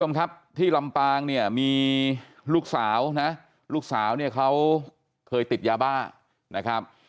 ทำทรัพย์ที่ลำปางนี่มีลูกสาวนะลูกสาวเนี่ยเขาเคยติดยาบ้านะครับ